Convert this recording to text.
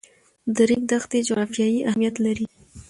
د ریګ دښتې جغرافیایي اهمیت لري.